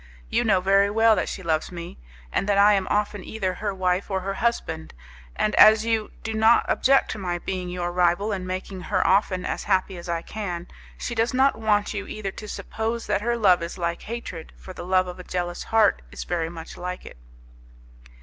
You know very well that she loves me, and that I am often either her wife or her husband, and as you do not object to my being your rival and making her often as happy as I can, she does not want you either to suppose that her love is like hatred, for the love of a jealous heart is very much like it."